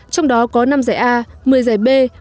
trong đó có năm giải a một mươi giải b